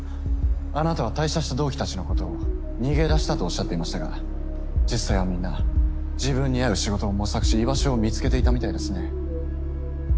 あなたは退社した同期たちのことを逃げ出したとおっしゃっていましたが実際はみんな自分に合う仕事を模索し居場所を見つけていたみたいですね。